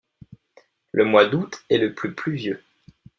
Le mois d'août est le plus pluvieux.